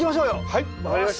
はい分かりました。